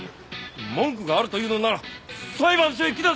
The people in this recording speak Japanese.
文句があるというのなら裁判所へ来なさい！